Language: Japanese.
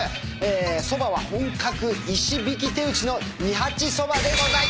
そばは本格石びき手打ちの二八そばでござい。